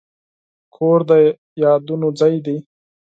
کور د یادونو ځای دی.